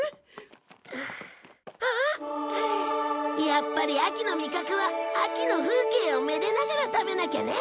やっぱり秋の味覚は秋の風景をめでながら食べなきゃね。